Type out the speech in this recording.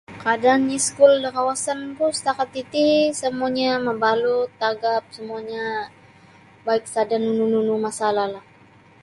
Kaadaan iskul da kawasanku setakat titi semuanya mabalut tagap semuanya baik sada nunu nunu masalahlah.